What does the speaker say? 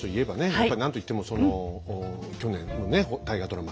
やっぱり何といってもその去年のね大河ドラマ